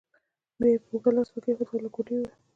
بیا یې پر اوږه لاس راکښېښود او له کوټې ووت.